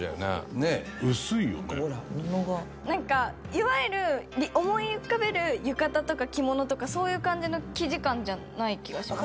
いわゆる思い浮かべる浴衣とか着物とかそういう感じの生地感じゃない気がしません？